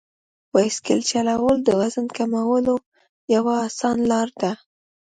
بایسکل چلول د وزن کمولو یوه اسانه لار ده.